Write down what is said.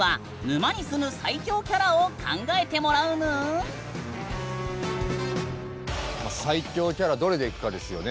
ここからは最恐キャラどれでいくかですよね。